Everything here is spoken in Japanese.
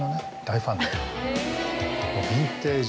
大ファンで。